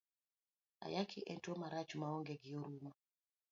Ayaki en tuo marach maonge gi oruma.